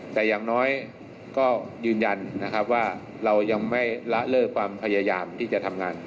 แต่อย่างน้อยก็ยืนยันนะครับว่าเรายังไม่ละเลิกความพยายามที่จะทำงาน